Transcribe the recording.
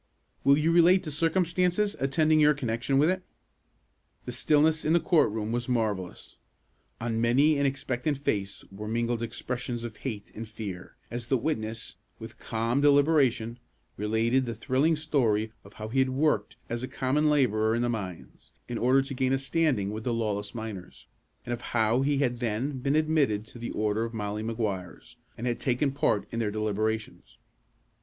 "Will you relate the circumstances attending your connection with it?" The stillness in the court room was marvellous. On many an expectant face were mingled expressions of hate and fear, as the witness, with calm deliberation, related the thrilling story of how he had worked as a common laborer in the mines, in order to gain a standing with the lawless miners, and of how he had then been admitted to the order of Molly Maguires, and had taken part in their deliberations.